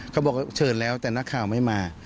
เขาบอกเชิญแล้วแต่นักข่าวไม่มา